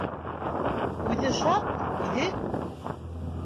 Үҙе шат, үҙе...